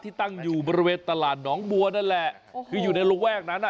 ตั้งอยู่บริเวณตลาดหนองบัวนั่นแหละคืออยู่ในระแวกนั้นอ่ะ